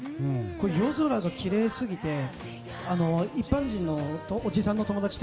夜空がきれいすぎて一般人のおじさんの友達と